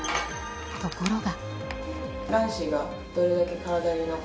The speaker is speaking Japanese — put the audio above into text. ところが。